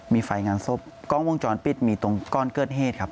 มีไฟงานศพกล้องวงจรปิดมีตรงก้อนเกิดเหตุครับ